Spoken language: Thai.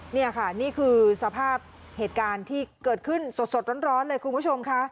นี่ค่ะนี่คือสภาพเหตุการณ์ที่เกิดขึ้นสดร้อนเลยคุณผู้ชมค่ะ